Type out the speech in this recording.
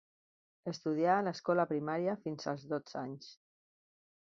Estudià a l'escola primària fins als dotze anys.